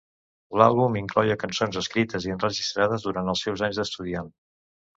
L'àlbum incloïa cançons escrites i enregistrades durant els seus anys d'estudiant.